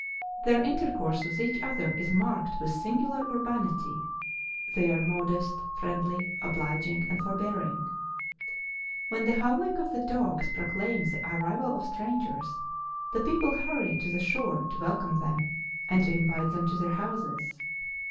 "Their intercourse with each other is marked with singular urbanity; they are modest, friendly, obliging, and forbearing. "When the howling of the dogs proclaim the arrival of strangers the people hurry to the shore to welcome them and to invite them to their houses.